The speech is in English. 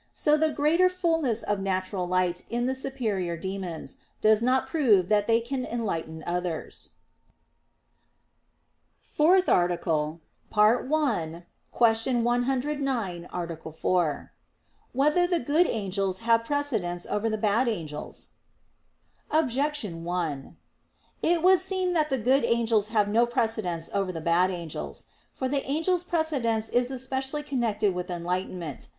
So the greater fulness of natural light in the superior demons does not prove that they can enlighten others. _______________________ FOURTH ARTICLE [I, Q. 109, Art. 4] Whether the Good Angels Have Precedence Over the Bad Angels? Objection 1: It would seem that the good angels have no precedence over the bad angels. For the angels' precedence is especially connected with enlightenment.